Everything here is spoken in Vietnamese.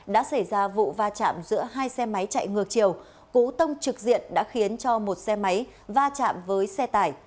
đã xảy ra vụ va chạm giữa hai xe máy chạy ngược chiều cú tông trực diện đã khiến cho một xe máy va chạm với xe tải